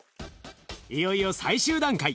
いよいよ最終段階。